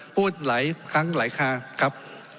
พูดหลายครั้งหลายคาครับ